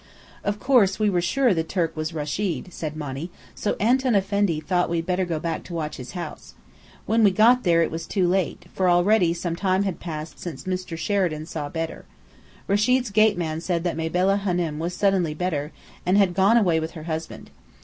"Of course we were sure the Turk was Rechid," said Monny, "so Antoun Effendi thought we'd better go back to watch his house. When we got there, it was too late, for already some time had passed since Mr. Sheridan saw Bedr. Rechid's gate man said that Mabella Hânem was suddenly better, and had gone away with her husband.